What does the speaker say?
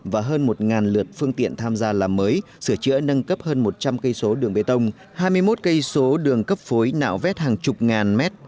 và hơn một lượt phương tiện tham gia làm mới sửa chữa nâng cấp hơn một trăm linh cây số đường bê tông hai mươi một cây số đường cấp phối nạo vét hàng chục ngàn mét